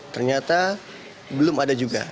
ternyata belum ada juga